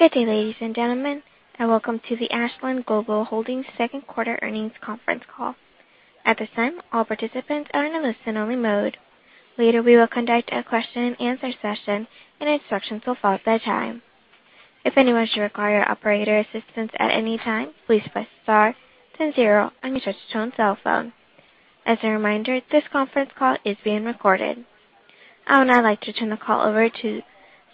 Good day, ladies and gentlemen, and welcome to the Ashland Global Holdings second quarter earnings conference call. At this time, all participants are in a listen-only mode. Later, we will conduct a question and answer session, and instructions will follow at that time. If anyone should require operator assistance at any time, please press star then zero on your touch-tone cellphone. As a reminder, this conference call is being recorded. I would now like to turn the call over to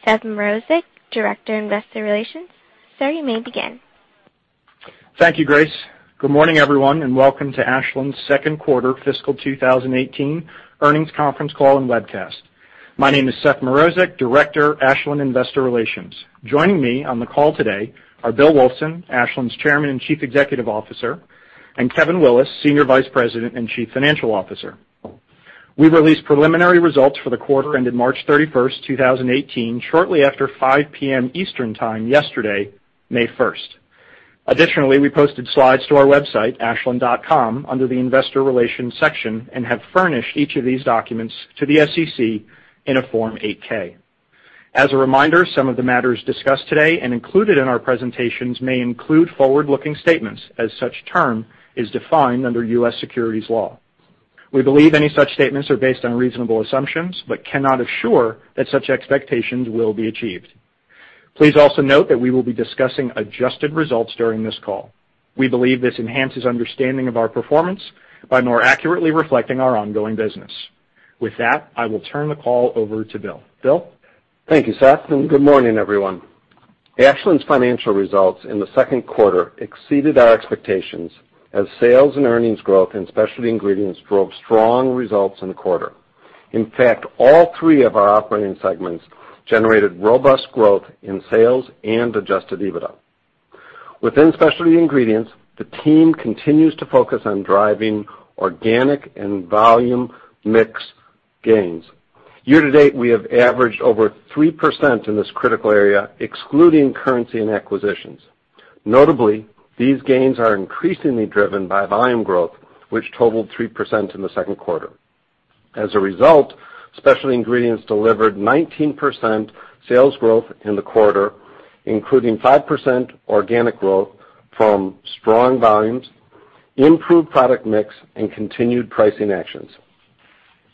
Seth Mrozek, Director, Investor Relations. Sir, you may begin. Thank you, Grace. Good morning, everyone, and welcome to Ashland's second quarter fiscal 2018 earnings conference call and webcast. My name is Seth Mrozek, Director, Ashland Investor Relations. Joining me on the call today are Bill Wulfsohn, Ashland's Chairman and Chief Executive Officer, and Kevin Willis, Senior Vice President and Chief Financial Officer. We released preliminary results for the quarter ended March 31st, 2018, shortly after 5:00 P.M. Eastern Time yesterday, May 1st. Additionally, we posted slides to our website, ashland.com, under the investor relations section and have furnished each of these documents to the SEC in a Form 8-K. As a reminder, some of the matters discussed today and included in our presentations may include forward-looking statements, as such term is defined under U.S. securities law. We believe any such statements are based on reasonable assumptions but cannot assure that such expectations will be achieved. Please also note that we will be discussing adjusted results during this call. We believe this enhances understanding of our performance by more accurately reflecting our ongoing business. With that, I will turn the call over to Bill. Bill? Thank you, Seth, and good morning, everyone. Ashland's financial results in the second quarter exceeded our expectations as sales and earnings growth and specialty ingredients drove strong results in the quarter. In fact, all three of our operating segments generated robust growth in sales and adjusted EBITDA. Within specialty ingredients, the team continues to focus on driving organic and volume mix gains. Year-to-date, we have averaged over 3% in this critical area, excluding currency and acquisitions. Notably, these gains are increasingly driven by volume growth, which totaled 3% in the second quarter. As a result, specialty ingredients delivered 19% sales growth in the quarter, including 5% organic growth from strong volumes, improved product mix, and continued pricing actions.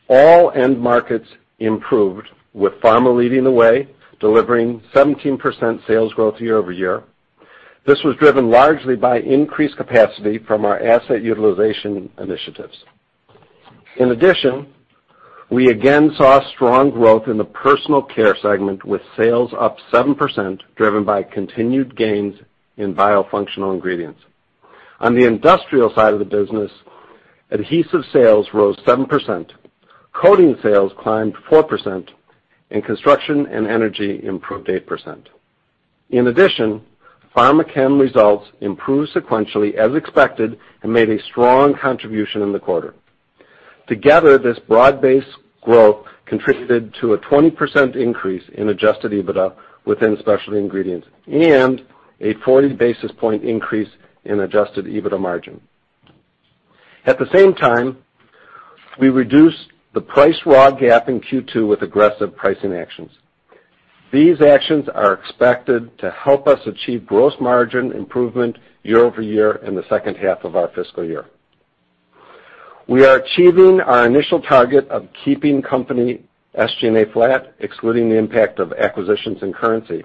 All end markets improved, with pharma leading the way, delivering 17% sales growth year-over-year. This was driven largely by increased capacity from our asset utilization initiatives. In addition, we again saw strong growth in the personal care segment, with sales up 7%, driven by continued gains in biofunctional ingredients. On the industrial side of the business, adhesive sales rose 7%, coating sales climbed 4%, and construction and energy improved 8%. In addition, Pharmachem results improved sequentially as expected and made a strong contribution in the quarter. Together, this broad-based growth contributed to a 20% increase in adjusted EBITDA within specialty ingredients and a 40-basis point increase in adjusted EBITDA margin. At the same time, we reduced the price raw gap in Q2 with aggressive pricing actions. These actions are expected to help us achieve gross margin improvement year-over-year in the second half of our fiscal year. We are achieving our initial target of keeping company SG&A flat, excluding the impact of acquisitions and currency.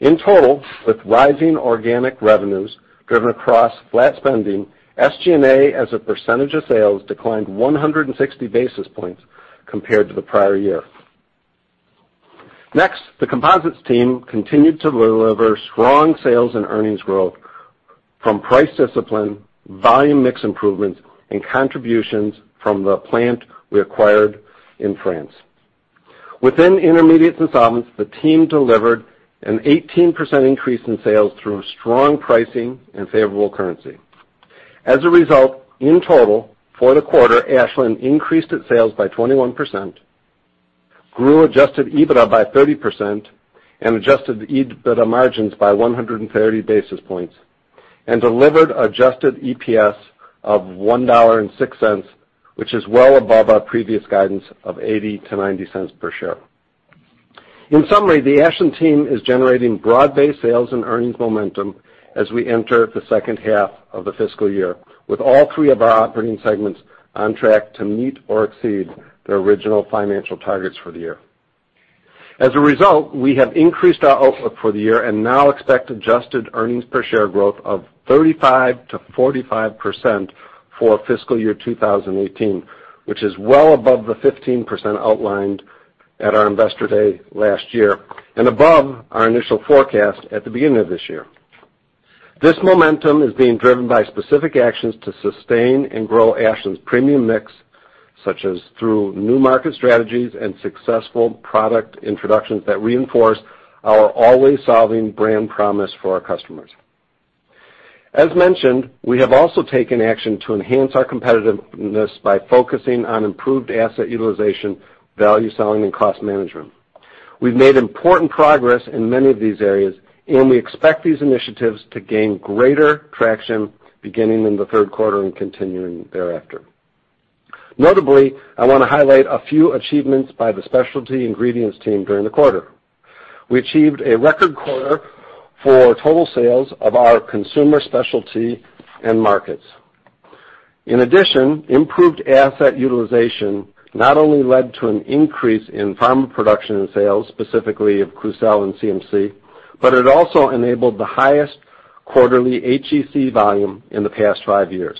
In total, with rising organic revenues driven across flat spending, SG&A as a percentage of sales declined 160 basis points compared to the prior year. Next, the Composites team continued to deliver strong sales and earnings growth from price discipline, volume mix improvements, and contributions from the plant we acquired in France. Within Intermediates and Solvents, the team delivered an 18% increase in sales through strong pricing and favorable currency. As a result, in total, for the quarter, Ashland increased its sales by 21%, grew adjusted EBITDA by 30%, and adjusted the EBITDA margins by 130 basis points and delivered adjusted EPS of $1.06, which is well above our previous guidance of $0.80-$0.90 per share. In summary, the Ashland team is generating broad-based sales and earnings momentum as we enter the second half of the fiscal year, with all three of our operating segments on track to meet or exceed their original financial targets for the year. As a result, we have increased our outlook for the year and now expect adjusted earnings per share growth of 35%-45% for fiscal year 2018, which is well above the 15% outlined at our investor day last year and above our initial forecast at the beginning of this year. This momentum is being driven by specific actions to sustain and grow Ashland's premium mix, such as through new market strategies and successful product introductions that reinforce our Always Solving brand promise for our customers. As mentioned, we have also taken action to enhance our competitiveness by focusing on improved asset utilization, value selling, and cost management. We've made important progress in many of these areas, and we expect these initiatives to gain greater traction beginning in the third quarter and continuing thereafter. Notably, I want to highlight a few achievements by the specialty ingredients team during the quarter. We achieved a record quarter for total sales of our consumer specialty end markets. In addition, improved asset utilization not only led to an increase in pharma production and sales, specifically of Klucel and CMC, but it also enabled the highest quarterly HEC volume in the past five years.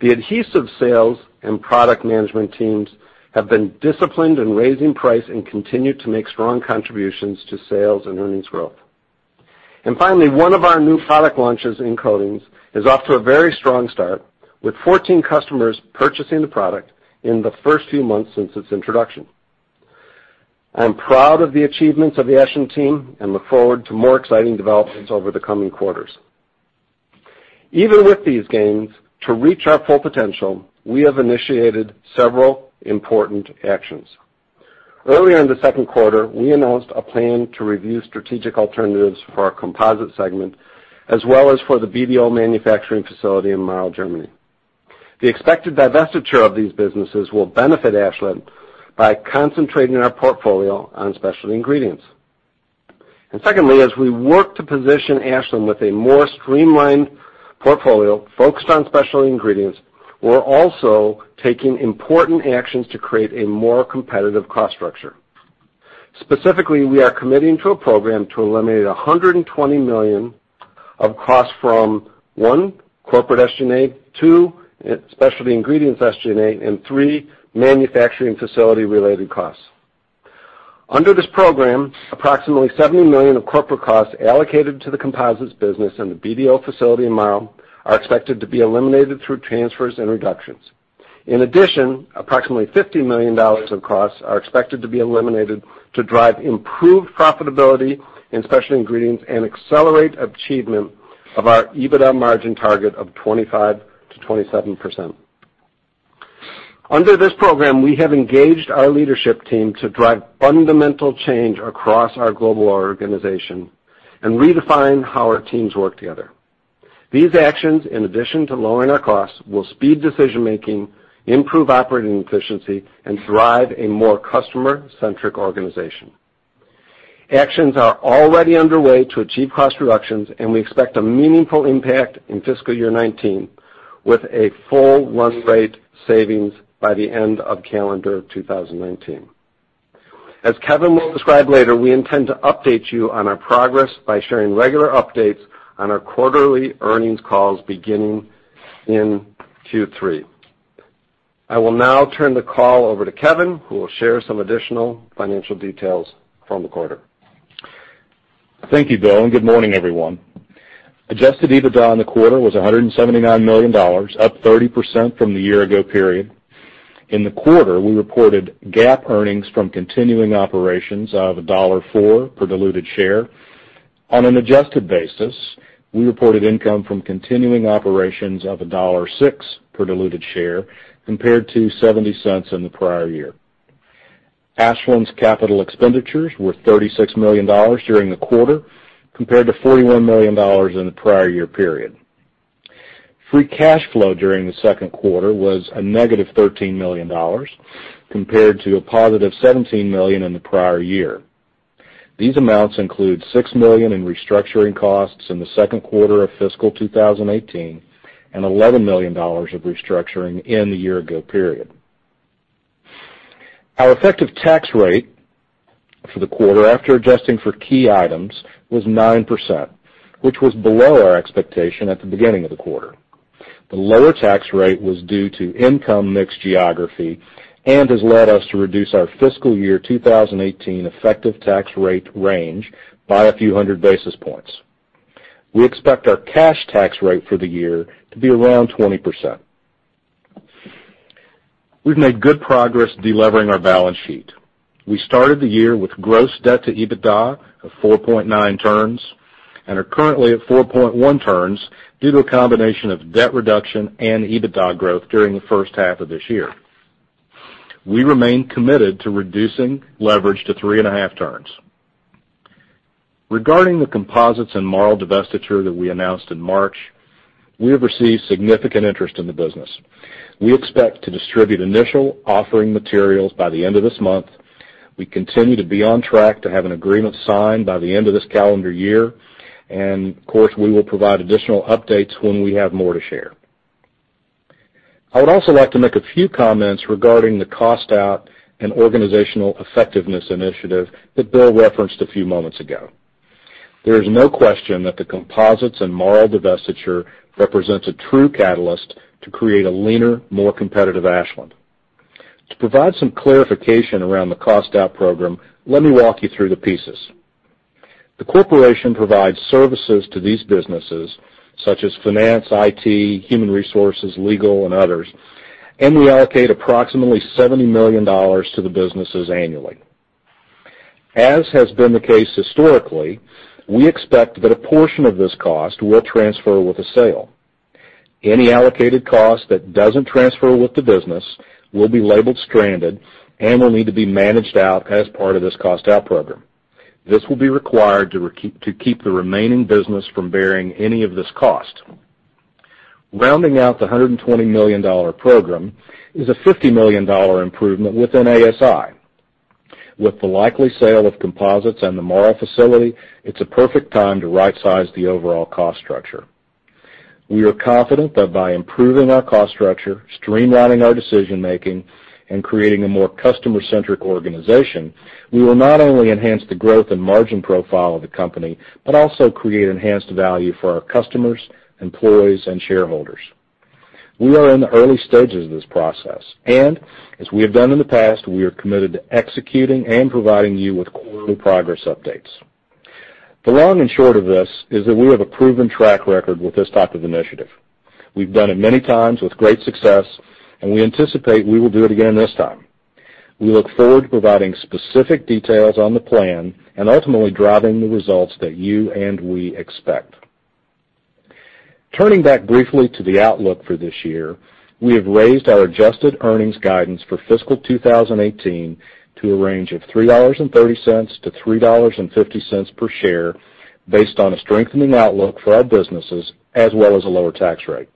The adhesive sales and product management teams have been disciplined in raising price and continue to make strong contributions to sales and earnings growth. Finally, one of our new product launches in coatings is off to a very strong start, with 14 customers purchasing the product in the first few months since its introduction. I am proud of the achievements of the Ashland team and look forward to more exciting developments over the coming quarters. Even with these gains, to reach our full potential, we have initiated several important actions. Earlier in the second quarter, we announced a plan to review strategic alternatives for our Composites segment, as well as for the BDO manufacturing facility in Marl, Germany. The expected divestiture of these businesses will benefit Ashland by concentrating our portfolio on specialty ingredients. Secondly, as we work to position Ashland with a more streamlined portfolio focused on specialty ingredients, we're also taking important actions to create a more competitive cost structure. Specifically, we are committing to a program to eliminate $120 million of costs from, one, corporate SG&A, two, specialty ingredients SG&A, and three, manufacturing facility-related costs. Under this program, approximately $70 million of corporate costs allocated to the composites business and the BDO facility in Marl are expected to be eliminated through transfers and reductions. In addition, approximately $50 million of costs are expected to be eliminated to drive improved profitability in specialty ingredients and accelerate achievement of our EBITDA margin target of 25%-27%. Under this program, we have engaged our leadership team to drive fundamental change across our global organization and redefine how our teams work together. These actions, in addition to lowering our costs, will speed decision-making, improve operating efficiency, and drive a more customer-centric organization. Actions are already underway to achieve cost reductions, and we expect a meaningful impact in fiscal year 2019, with a full run rate savings by the end of calendar 2019. As Kevin will describe later, we intend to update you on our progress by sharing regular updates on our quarterly earnings calls beginning in Q3. I will now turn the call over to Kevin, who will share some additional financial details from the quarter. Thank you, Bill, and good morning, everyone. Adjusted EBITDA in the quarter was $179 million, up 30% from the year ago period. In the quarter, we reported GAAP earnings from continuing operations of $1.04 per diluted share. On an adjusted basis, we reported income from continuing operations of $1.06 per diluted share compared to $0.70 in the prior year. Ashland's capital expenditures were $36 million during the quarter compared to $41 million in the prior year period. Free cash flow during the second quarter was a negative $13 million compared to a positive $17 million in the prior year. These amounts include $6 million in restructuring costs in the second quarter of fiscal 2018 and $11 million of restructuring in the year ago period. Our effective tax rate for the quarter, after adjusting for key items, was 9%, which was below our expectation at the beginning of the quarter. The lower tax rate was due to income mix geography and has led us to reduce our fiscal year 2018 effective tax rate range by a few hundred basis points. We expect our cash tax rate for the year to be around 20%. We've made good progress delevering our balance sheet. We started the year with gross debt to EBITDA of 4.9 turns and are currently at 4.1 turns due to a combination of debt reduction and EBITDA growth during the first half of this year. We remain committed to reducing leverage to three and a half turns. Regarding the composites in Marl divestiture that we announced in March, we have received significant interest in the business. We expect to distribute initial offering materials by the end of this month. We continue to be on track to have an agreement signed by the end of this calendar year. Of course, we will provide additional updates when we have more to share. I would also like to make a few comments regarding the cost out and organizational effectiveness initiative that Bill referenced a few moments ago. There is no question that the composites in Marl divestiture represents a true catalyst to create a leaner, more competitive Ashland. To provide some clarification around the cost out program, let me walk you through the pieces. The corporation provides services to these businesses such as finance, IT, human resources, legal, and others, and we allocate approximately $70 million to the businesses annually. As has been the case historically, we expect that a portion of this cost will transfer with the sale. Any allocated cost that doesn't transfer with the business will be labeled stranded and will need to be managed out as part of this cost out program. This will be required to keep the remaining business from bearing any of this cost. Rounding out the $120 million program is a $50 million improvement within ASI. With the likely sale of Composites and the Marl facility, it's a perfect time to right-size the overall cost structure. We are confident that by improving our cost structure, streamlining our decision-making, and creating a more customer-centric organization, we will not only enhance the growth and margin profile of the company, but also create enhanced value for our customers, employees, and shareholders. As we have done in the past, we are committed to executing and providing you with quarterly progress updates. The long and short of this is that we have a proven track record with this type of initiative. We've done it many times with great success, and we anticipate we will do it again this time. We look forward to providing specific details on the plan and ultimately driving the results that you and we expect. Turning back briefly to the outlook for this year, we have raised our adjusted earnings guidance for fiscal 2018 to a range of $3.30-$3.50 per share based on a strengthening outlook for our businesses as well as a lower tax rate.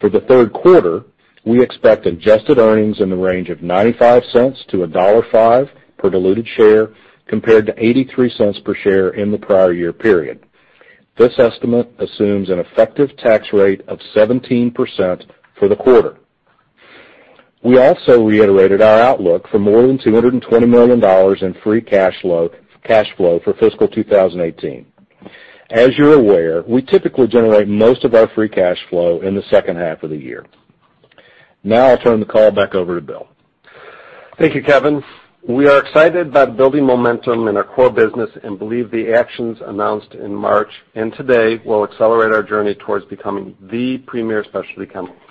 For the third quarter, we expect adjusted earnings in the range of $0.95-$1.05 per diluted share, compared to $0.83 per share in the prior year period. This estimate assumes an effective tax rate of 17% for the quarter. We also reiterated our outlook for more than $220 million in free cash flow for fiscal 2018. As you're aware, we typically generate most of our free cash flow in the second half of the year. Now I'll turn the call back over to Bill. Thank you, Kevin. We are excited about building momentum in our core business and believe the actions announced in March and today will accelerate our journey towards becoming the premier specialty chemical company.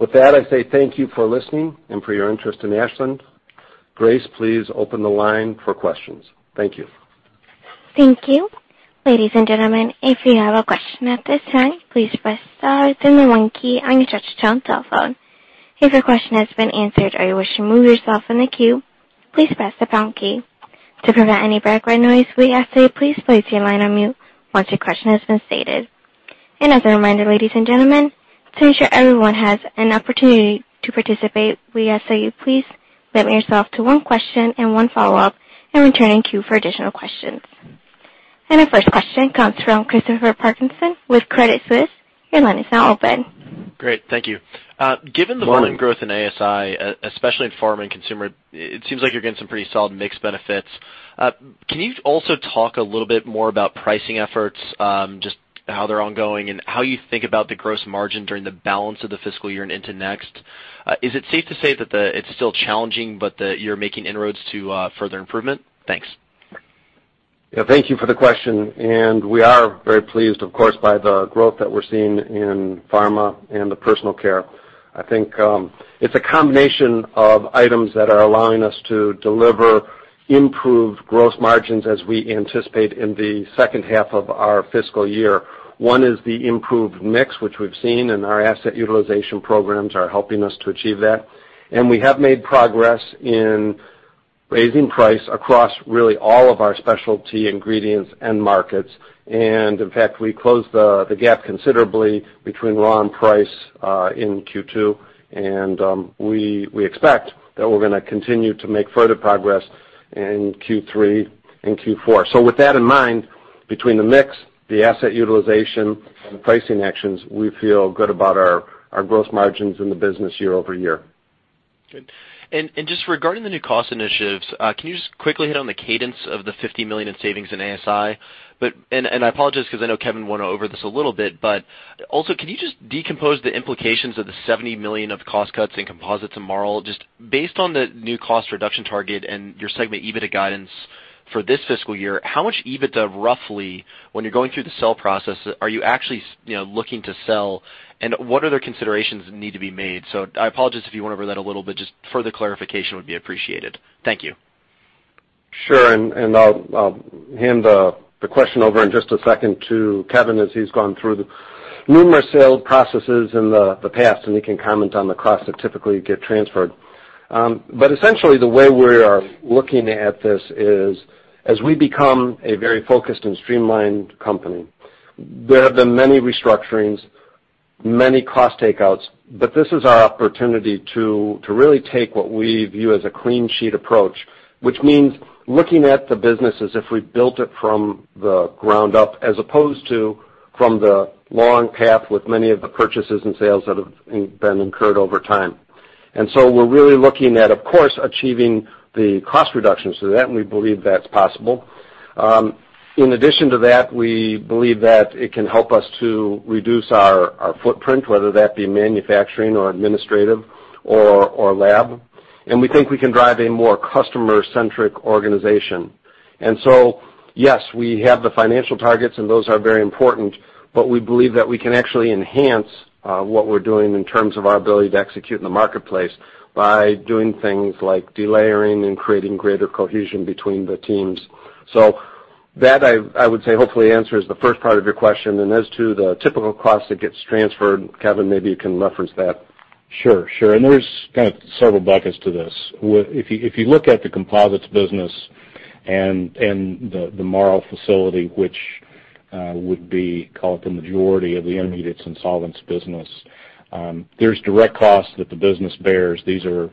With that, I say thank you for listening and for your interest in Ashland. Grace, please open the line for questions. Thank you. Thank you. Ladies and gentlemen, if you have a question at this time, please press star then the one key on your touchtone cell phone. If your question has been answered or you wish to remove yourself from the queue, please press the pound key. To prevent any background noise, we ask that you please place your line on mute once your question has been stated. As a reminder, ladies and gentlemen, to ensure everyone has an opportunity to participate, we ask that you please limit yourself to one question and one follow-up and return in queue for additional questions. Our first question comes from Christopher Parkinson with Credit Suisse. Your line is now open. Great. Thank you. Given the volume growth in ASI, especially in pharma and consumer, it seems like you're getting some pretty solid mix benefits. Can you also talk a little bit more about pricing efforts, just how they're ongoing, and how you think about the gross margin during the balance of the fiscal year and into next? Is it safe to say that it's still challenging, but that you're making inroads to further improvement? Thanks. Yeah, thank you for the question. We are very pleased, of course, by the growth that we're seeing in pharma and personal care. I think it's a combination of items that are allowing us to deliver improved gross margins as we anticipate in the second half of our fiscal year. One is the improved mix, which we've seen, and our asset utilization programs are helping us to achieve that. We have made progress in raising price across really all of our specialty ingredients end markets. In fact, we closed the gap considerably between raw and price in Q2, and we expect that we're going to continue to make further progress in Q3 and Q4. With that in mind, between the mix, the asset utilization, and the pricing actions, we feel good about our gross margins in the business year-over-year. Good. Just regarding the new cost initiatives, can you just quickly hit on the cadence of the $50 million in savings in ASI? I apologize because I know Kevin went over this a little bit, but also can you just decompose the implications of the $70 million of cost cuts in Composites and Marl? Just based on the new cost reduction target and your segment EBITDA guidance for this fiscal year, how much EBITDA, roughly, when you're going through the sell process, are you actually looking to sell, and what other considerations need to be made? I apologize if you went over that a little bit. Just further clarification would be appreciated. Thank you. Sure. I'll hand the question over in just a second to Kevin as he's gone through numerous sale processes in the past, and he can comment on the costs that typically get transferred. Essentially, the way we are looking at this is as we become a very focused and streamlined company, there have been many restructurings, many cost takeouts, but this is our opportunity to really take what we view as a clean sheet approach. Which means looking at the business as if we built it from the ground up as opposed to from the long path with many of the purchases and sales that have been incurred over time. We're really looking at, of course, achieving the cost reductions through that, and we believe that's possible. In addition to that, we believe that it can help us to reduce our footprint, whether that be manufacturing or administrative or lab. We think we can drive a more customer-centric organization. Yes, we have the financial targets, and those are very important, but we believe that we can actually enhance what we're doing in terms of our ability to execute in the marketplace by doing things like delayering and creating greater cohesion between the teams. That, I would say, hopefully answers the first part of your question. As to the typical cost that gets transferred, Kevin, maybe you can reference that. Sure. There's kind of several buckets to this. If you look at the composites business and the Marl facility, which would be called the majority of the Intermediates and Solvents business, there's direct costs that the business bears. These are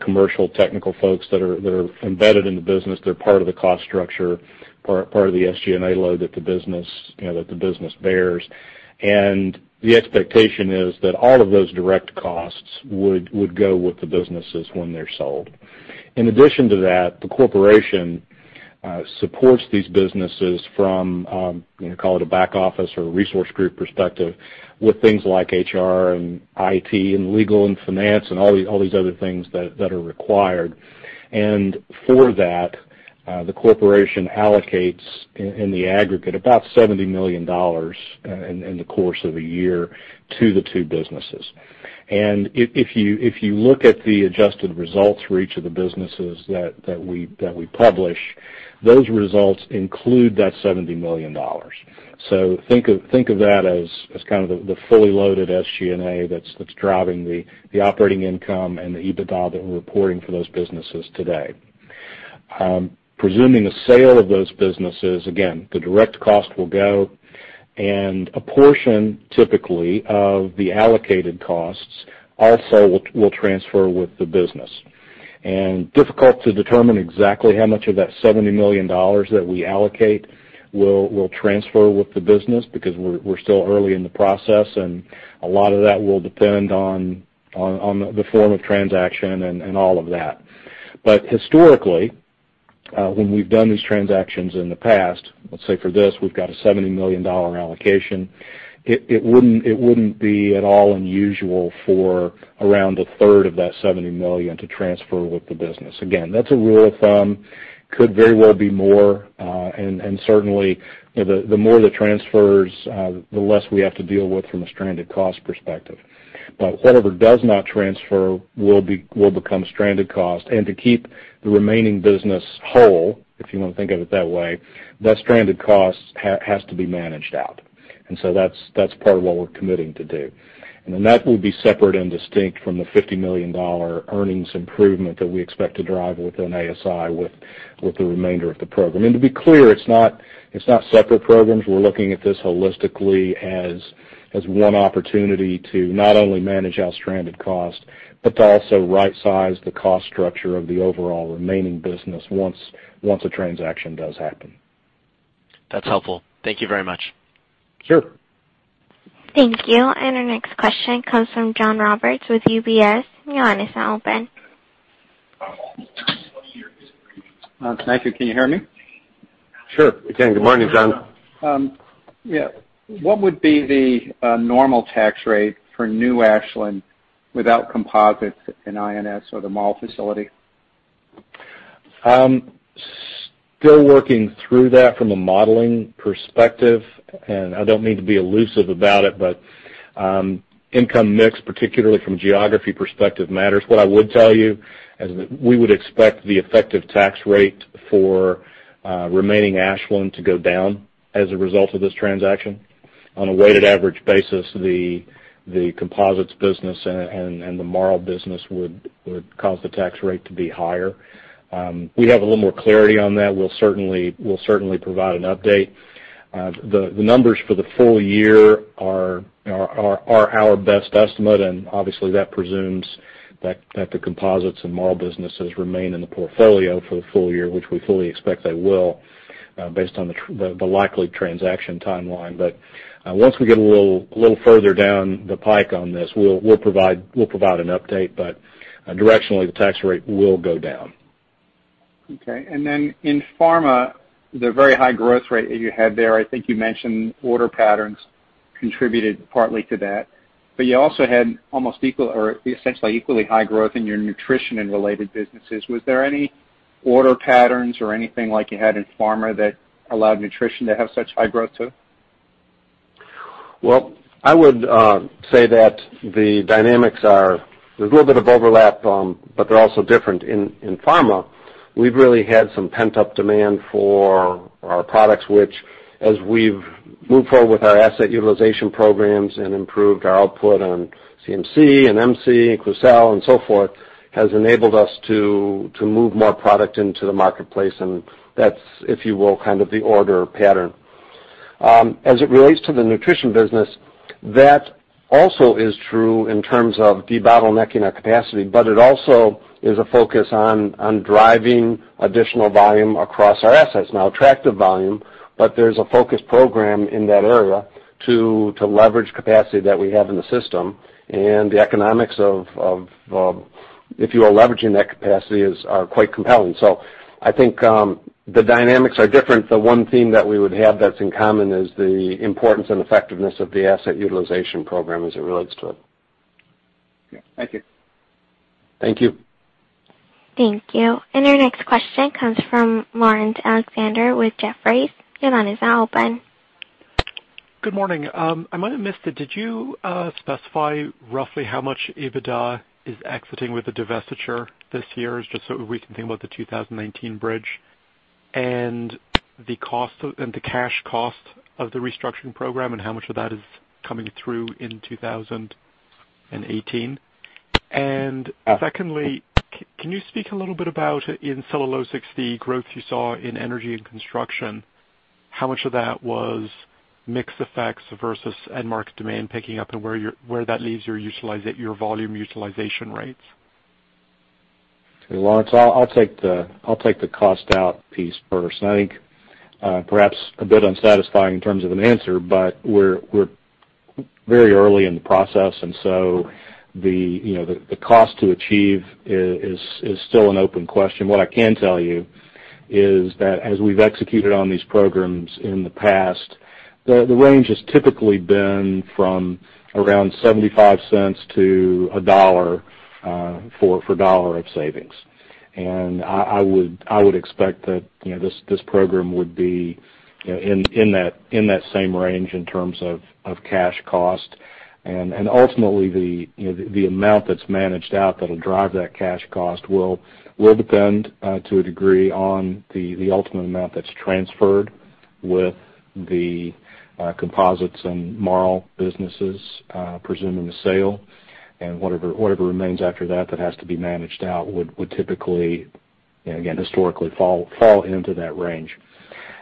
commercial technical folks that are embedded in the business. They're part of the cost structure, part of the SG&A load that the business bears. The expectation is that all of those direct costs would go with the businesses when they're sold. In addition to that, the corporation supports these businesses from, call it a back office or a resource group perspective, with things like HR and IT and legal and finance and all these other things that are required. For that, the corporation allocates, in the aggregate, about $70 million in the course of a year to the two businesses. If you look at the adjusted results for each of the businesses that we publish, those results include that $70 million. Think of that as kind of the fully loaded SG&A that's driving the operating income and the EBITDA that we're reporting for those businesses today. Presuming the sale of those businesses, again, the direct cost will go, and a portion, typically, of the allocated costs also will transfer with the business. Difficult to determine exactly how much of that $70 million that we allocate will transfer with the business, because we're still early in the process, and a lot of that will depend on the form of transaction and all of that. Historically, when we've done these transactions in the past, let's say for this, we've got a $70 million allocation, it wouldn't be at all unusual for around a third of that $70 million to transfer with the business. Again, that's a rule of thumb. Could very well be more. Certainly, the more that transfers, the less we have to deal with from a stranded cost perspective. Whatever does not transfer will become stranded cost. To keep the remaining business whole, if you want to think of it that way, that stranded cost has to be managed out. That's part of what we're committing to do. That will be separate and distinct from the $50 million earnings improvement that we expect to drive within ASI with the remainder of the program. To be clear, it's not separate programs. We're looking at this holistically as one opportunity to not only manage our stranded cost, but to also right-size the cost structure of the overall remaining business once a transaction does happen. That's helpful. Thank you very much. Sure. Thank you. Our next question comes from John Roberts with UBS. Your line is now open. Thank you. Can you hear me? Sure. We can. Good morning, John. What would be the normal tax rate for new Ashland without composites and I&S or the Marl facility? Still working through that from a modeling perspective, I don't mean to be elusive about it, income mix, particularly from a geography perspective, matters. What I would tell you is that we would expect the effective tax rate for remaining Ashland to go down as a result of this transaction. On a weighted average basis, the composites business and the Marl business would cause the tax rate to be higher. We have a little more clarity on that. We'll certainly provide an update. The numbers for the full year are our best estimate, obviously that presumes that the composites and Marl businesses remain in the portfolio for the full year, which we fully expect they will based on the likely transaction timeline. Once we get a little further down the pike on this, we'll provide an update, directionally, the tax rate will go down. Okay. Then in pharma, the very high growth rate that you had there, I think you mentioned order patterns contributed partly to that. You also had almost equal, or essentially equally high growth in your nutrition and related businesses. Was there any order patterns or anything like you had in pharma that allowed nutrition to have such high growth too? Well, I would say that the dynamics are, there's a little bit of overlap, they're also different. In pharma, we've really had some pent-up demand for our products, which as we've moved forward with our asset utilization programs and improved our output on CMC and MC and Klucel and so forth, has enabled us to move more product into the marketplace. That's, if you will, kind of the order pattern. As it relates to the nutrition business, that also is true in terms of debottlenecking our capacity, it also is a focus on driving additional volume across our assets. Now, attractive volume, there's a focused program in that area to leverage capacity that we have in the system. The economics of, if you are leveraging that capacity, are quite compelling. I think the dynamics are different. The one theme that we would have that's in common is the importance and effectiveness of the asset utilization program as it relates to it. Okay. Thank you. Thank you. Thank you. Your next question comes from Laurence Alexander with Jefferies. Your line is now open. Good morning. I might have missed it. Did you specify roughly how much EBITDA is exiting with the divestiture this year, just so we can think about the 2019 bridge? The cash cost of the restructuring program, and how much of that is coming through in 2018? Secondly, can you speak a little bit about, in Cellulosics, the growth you saw in energy and construction, how much of that was mix effects versus end market demand picking up and where that leaves your volume utilization rates? Laurence, I'll take the cost out piece first. I think perhaps a bit unsatisfying in terms of an answer, but we're very early in the process, so the cost to achieve is still an open question. What I can tell you is that as we've executed on these programs in the past, the range has typically been from around $0.75 to $1 for dollar of savings. I would expect that this program would be in that same range in terms of cash cost. Ultimately, the amount that's managed out that'll drive that cash cost will depend to a degree on the ultimate amount that's transferred with the composites and Marl businesses, presuming the sale, and whatever remains after that that has to be managed out would typically, again, historically fall into that range.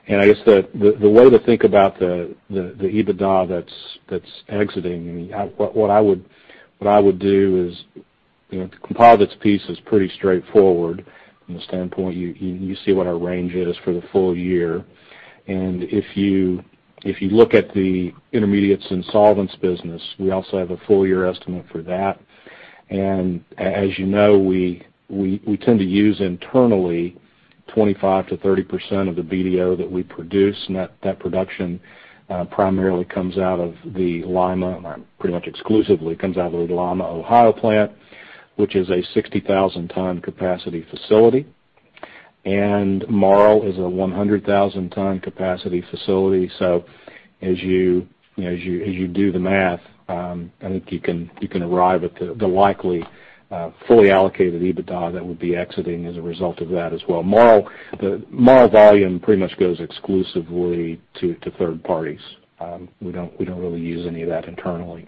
I guess the way to think about the EBITDA that's exiting, what I would do is, the composites piece is pretty straightforward from the standpoint you see what our range is for the full year. If you look at the Intermediates and Solvents business, we also have a full year estimate for that. As you know, we tend to use internally 25%-30% of the BDO that we produce, and that production primarily comes out of the Lima, pretty much exclusively comes out of the Lima, Ohio plant, which is a 60,000 ton capacity facility. Marl is a 100,000 ton capacity facility. So as you do the math, I think you can arrive at the likely fully allocated EBITDA that would be exiting as a result of that as well. Marl volume pretty much goes exclusively to third parties. We don't really use any of that internally.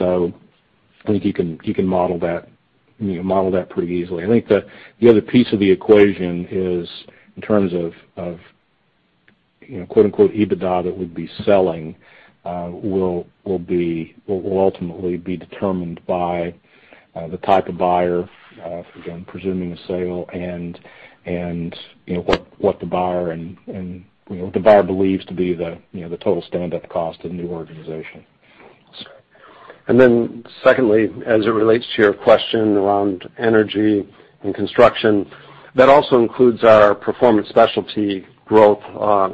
I think you can model that pretty easily. I think the other piece of the equation is in terms of quote unquote EBITDA that we'd be selling will ultimately be determined by the type of buyer, again, presuming the sale and what the buyer believes to be the total standup cost of the new organization. Secondly, as it relates to your question around energy and construction, that also includes our performance specialty growth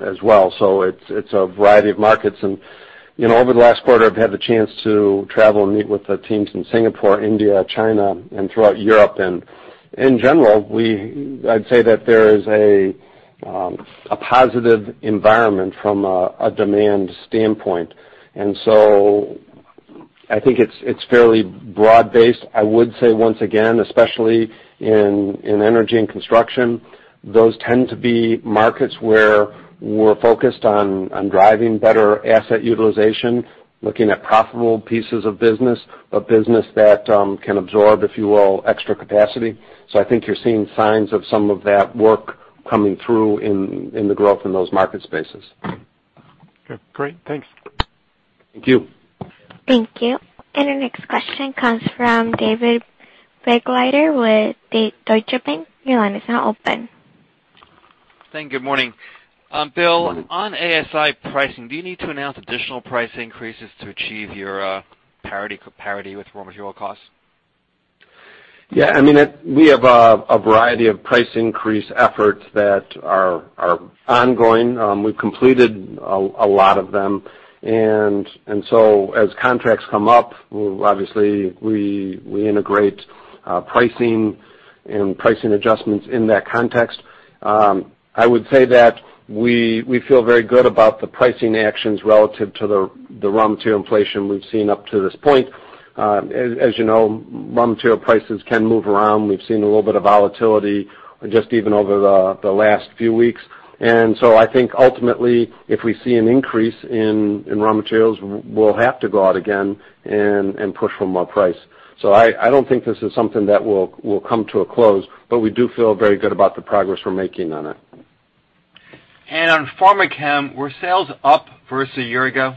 as well. It's a variety of markets. Over the last quarter, I've had the chance to travel and meet with the teams in Singapore, India, China, and throughout Europe. In general, I'd say that there is a positive environment from a demand standpoint. I think it's fairly broad based. I would say once again, especially in energy and construction, those tend to be markets where we're focused on driving better asset utilization, looking at profitable pieces of business, but business that can absorb, if you will, extra capacity. I think you're seeing signs of some of that work coming through in the growth in those market spaces. Okay, great. Thanks. Thank you. Thank you. Our next question comes from David Begleiter with Deutsche Bank. Your line is now open. Thank you. Good morning. Bill, on ASI pricing, do you need to announce additional price increases to achieve your parity with raw material costs? Yeah, we have a variety of price increase efforts that are ongoing. We've completed a lot of them. As contracts come up, obviously we integrate pricing and pricing adjustments in that context. I would say that we feel very good about the pricing actions relative to the raw material inflation we've seen up to this point. As you know, raw material prices can move around. We've seen a little bit of volatility just even over the last few weeks. I think ultimately, if we see an increase in raw materials, we'll have to go out again and push for more price. I don't think this is something that will come to a close, but we do feel very good about the progress we're making on it. On Pharmachem, were sales up versus a year ago?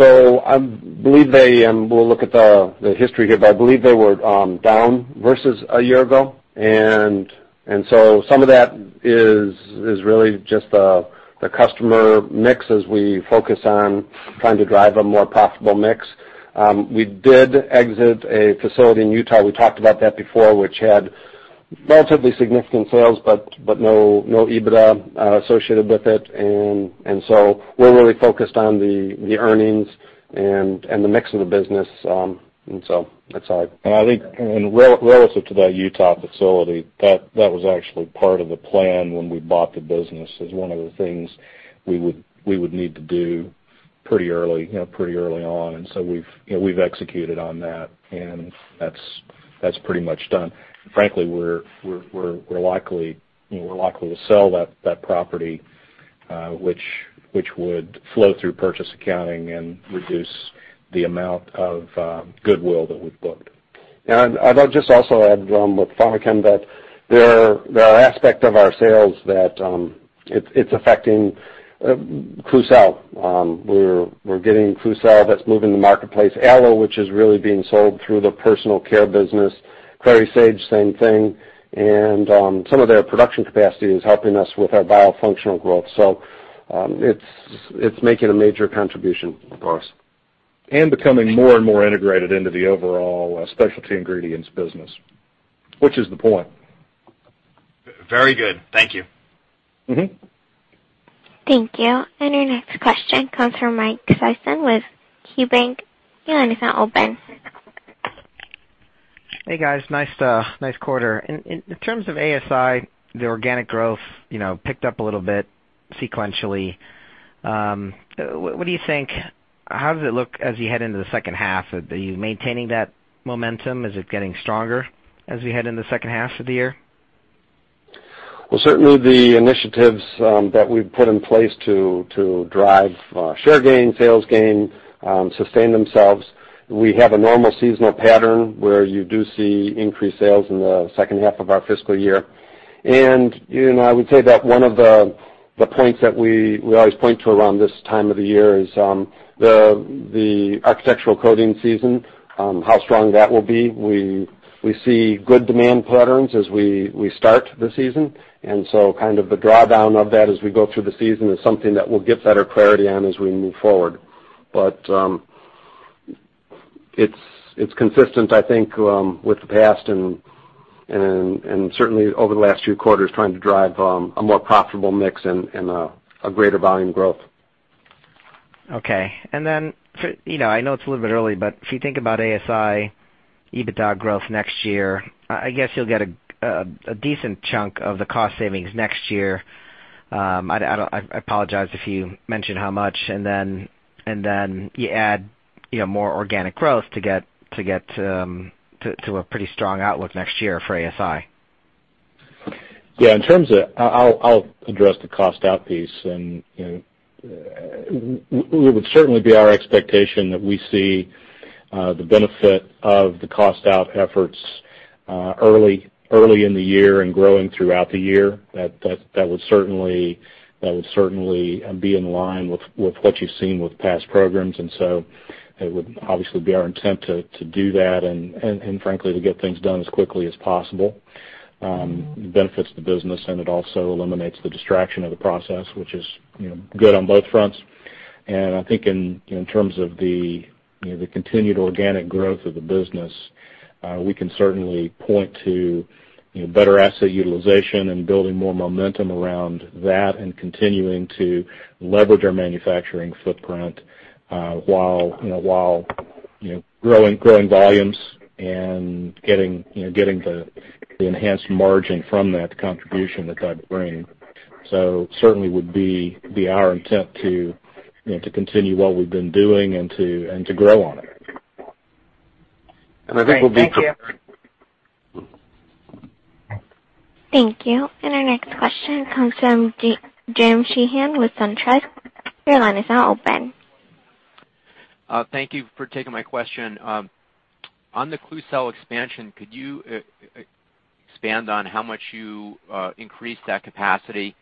I believe they, we'll look at the history here, but I believe they were down versus a year ago. Some of that is really just the customer mix as we focus on trying to drive a more profitable mix. We did exit a facility in Utah. We talked about that before, which had relatively significant sales, but no EBITDA associated with it. We're really focused on the earnings and the mix of the business. That's all. I think relative to that Utah facility, that was actually part of the plan when we bought the business as one of the things we would need to do pretty early on. We've executed on that, and that's pretty much done. Frankly, we're likely to sell that property which would flow through purchase accounting and reduce the amount of goodwill that we've booked. I'd just also add with Pharmachem that there are aspect of our sales that it's affecting Klucel. We're getting Klucel that's moving the marketplace. Aloe, which is really being sold through the personal care business. Clary sage, same thing. Some of their production capacity is helping us with our biofunctional growth. It's making a major contribution for us. Becoming more and more integrated into the overall specialty ingredients business, which is the point. Very good. Thank you. Thank you. Your next question comes from Mike Sison with KeyBanc. Your line is now open. Hey, guys. Nice quarter. In terms of ASI, the organic growth picked up a little bit sequentially. What do you think, how does it look as you head into the second half? Are you maintaining that momentum? Is it getting stronger as we head into the second half of the year? Well, certainly the initiatives that we've put in place to drive share gain, sales gain, sustain themselves. We have a normal seasonal pattern where you do see increased sales in the second half of our fiscal year. I would say that one of the points that we always point to around this time of the year is the architectural coating season, how strong that will be. We see good demand patterns as we start the season, kind of the drawdown of that as we go through the season is something that we'll get better clarity on as we move forward. It's consistent, I think, with the past and certainly over the last few quarters, trying to drive a more profitable mix and a greater volume growth. Okay. I know it's a little bit early, but if you think about ASI EBITDA growth next year, I guess you'll get a decent chunk of the cost savings next year. I apologize if you mentioned how much, you add more organic growth to get to a pretty strong outlook next year for ASI. Yeah. I'll address the cost out piece. It would certainly be our expectation that we see the benefit of the cost-out efforts early in the year and growing throughout the year. That would certainly be in line with what you've seen with past programs. It would obviously be our intent to do that and frankly, to get things done as quickly as possible. It benefits the business, and it also eliminates the distraction of the process, which is good on both fronts. I think in terms of the continued organic growth of the business, we can certainly point to better asset utilization and building more momentum around that and continuing to leverage our manufacturing footprint, while growing volumes and getting the enhanced margin from that contribution that that would bring. Certainly would be our intent to continue what we've been doing and to grow on it. Great. Thank you. I think we'll be- Thank you. Our next question comes from James Sheehan with SunTrust. Your line is now open. Thank you for taking my question. On the Klucel expansion, could you expand on how much you increased that capacity?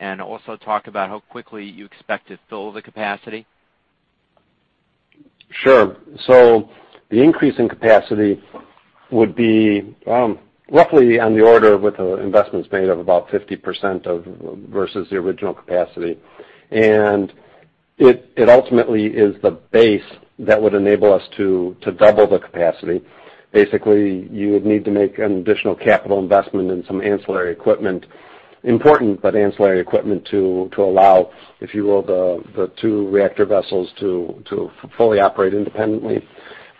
Also talk about how quickly you expect to fill the capacity. Sure. The increase in capacity would be roughly on the order of, with the investments made, of about 50% versus the original capacity. It ultimately is the base that would enable us to double the capacity. Basically, you would need to make an additional capital investment in some ancillary equipment. Important, but ancillary equipment to allow, if you will, the two reactor vessels to fully operate independently.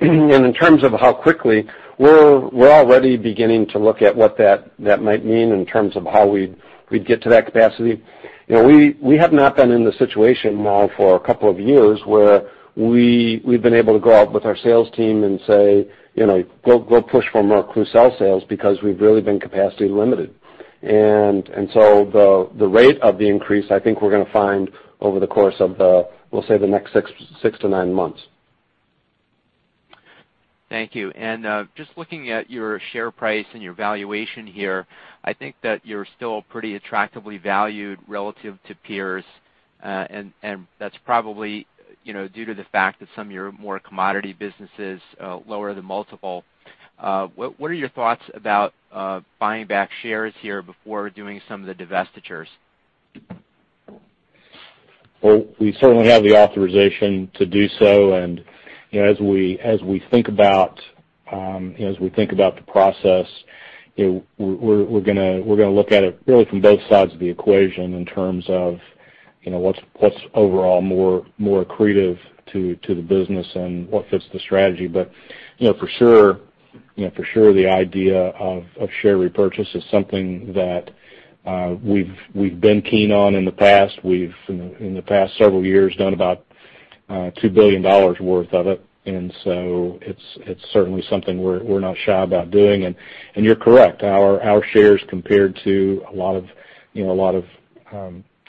In terms of how quickly, we're already beginning to look at what that might mean in terms of how we'd get to that capacity. We have not been in the situation now for a couple of years where we've been able to go out with our sales team and say, "Go push for more Klucel sales," because we've really been capacity limited. The rate of the increase, I think we're going to find over the course of the, we'll say the next six to nine months. Thank you. Just looking at your share price and your valuation here, I think that you're still pretty attractively valued relative to peers. That's probably due to the fact that some of your more commodity businesses lower the multiple. What are your thoughts about buying back shares here before doing some of the divestitures? Well, we certainly have the authorization to do so, as we think about the process, we're going to look at it really from both sides of the equation in terms of what's overall more accretive to the business and what fits the strategy. For sure, the idea of share repurchase is something that we've been keen on in the past. We've, in the past several years, done about $2 billion worth of it. So it's certainly something we're not shy about doing. You're correct, our shares compared to a lot of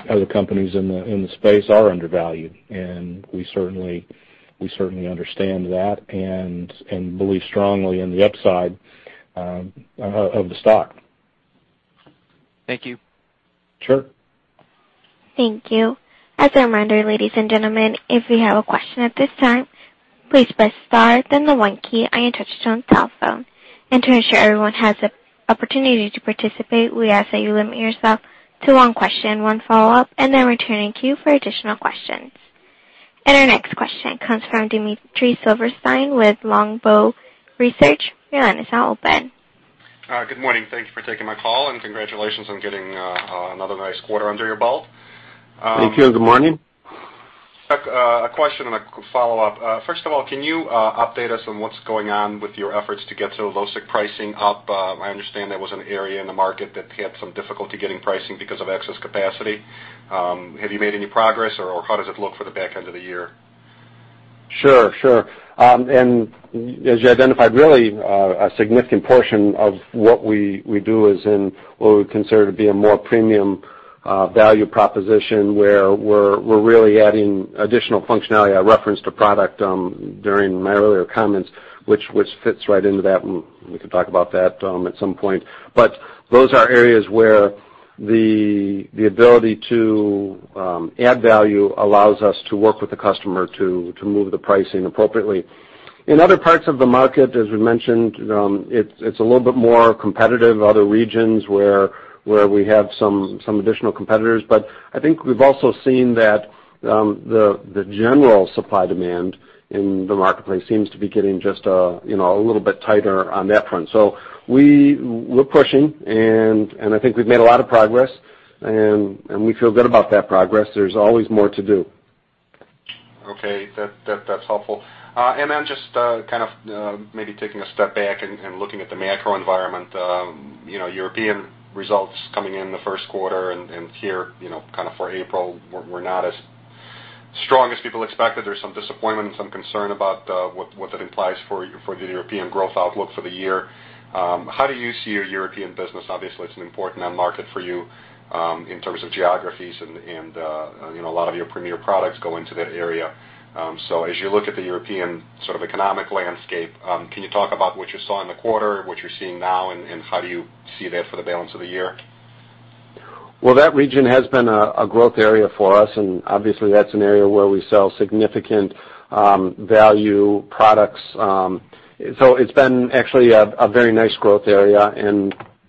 other companies in the space are undervalued, and we certainly understand that and believe strongly in the upside of the stock. Thank you. Sure. Thank you. As a reminder, ladies and gentlemen, if you have a question at this time, please press star then the one key on your touchtone telephone. To ensure everyone has an opportunity to participate, we ask that you limit yourself to one question and one follow-up and then return in queue for additional questions. Our next question comes from Dmitry Silversteyn with Longbow Research. Your line is now open. Good morning. Thank you for taking my call, and congratulations on getting another nice quarter under your belt. Thank you, and good morning. A question and a follow-up. First of all, can you update us on what's going on with your efforts to get some caustic pricing up? I understand there was an area in the market that had some difficulty getting pricing because of excess capacity. Have you made any progress, or how does it look for the back end of the year? Sure. As you identified, really, a significant portion of what we do is in what we consider to be a more premium value proposition, where we're really adding additional functionality. I referenced a product during my earlier comments which fits right into that, and we can talk about that at some point. Those are areas where the ability to add value allows us to work with the customer to move the pricing appropriately. In other parts of the market, as we mentioned, it's a little bit more competitive, other regions where we have some additional competitors. I think we've also seen that the general supply-demand in the marketplace seems to be getting just a little bit tighter on that front. We're pushing, and I think we've made a lot of progress, and we feel good about that progress. There's always more to do. Okay. That's helpful. Just kind of maybe taking a step back and looking at the macro environment. European results coming in the first quarter and here for April were not as strong as people expected. There's some disappointment and some concern about what that implies for the European growth outlook for the year. How do you see your European business? Obviously, it's an important end market for you in terms of geographies, and a lot of your premier products go into that area. As you look at the European sort of economic landscape, can you talk about what you saw in the quarter, what you're seeing now, and how do you see that for the balance of the year? Well, that region has been a growth area for us, obviously, that's an area where we sell significant value products. It's been actually a very nice growth area,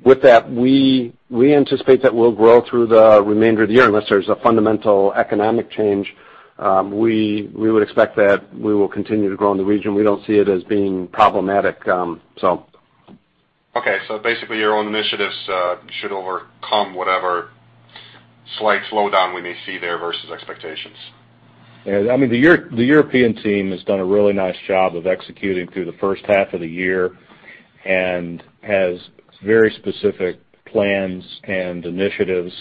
with that, we anticipate that we'll grow through the remainder of the year unless there's a fundamental economic change. We would expect that we will continue to grow in the region. We don't see it as being problematic. Okay. Basically, your own initiatives should overcome whatever slight slowdown we may see there versus expectations. Yeah. The European team has done a really nice job of executing through the first half of the year and has very specific plans and initiatives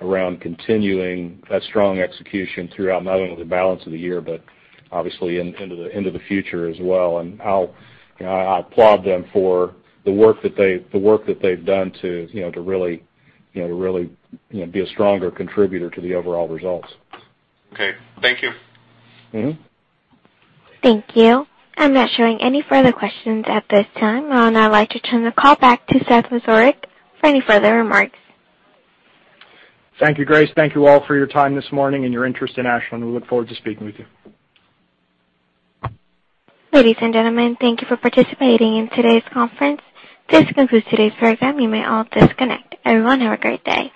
around continuing that strong execution throughout not only the balance of the year, but obviously into the future as well. I applaud them for the work that they've done to really be a stronger contributor to the overall results. Okay. Thank you. Thank you. I'm not showing any further questions at this time. I would now like to turn the call back to Seth Mrozek for any further remarks. Thank you, Grace. Thank you all for your time this morning and your interest in Ashland. We look forward to speaking with you. Ladies and gentlemen, thank you for participating in today's conference. This concludes today's program. You may all disconnect. Everyone, have a great day.